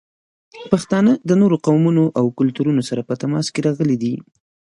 پښتانه د نورو قومونو او کلتورونو سره په تماس کې راغلي دي.